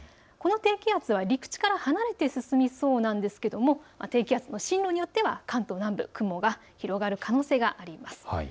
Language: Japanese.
この低気圧は陸地から離れて進みそうなんですが低気圧の進路によっては関東南部、雲が広がる可能性があります。